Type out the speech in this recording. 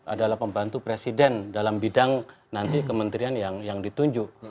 adalah pembantu presiden dalam bidang nanti kementerian yang ditunjuk